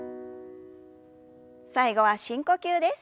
最後は深呼吸です。